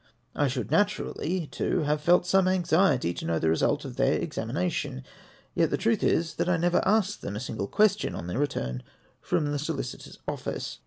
I should naturally, too, have felt some anxiety to know the result of their examination ; yet the truth is, that I never asked them a single question on their return from the solicitor's office.